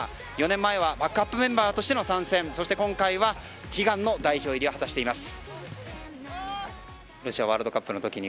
４年前はバックアップメンバーとしての参戦、そして今回は悲願の代表入りを果たしています。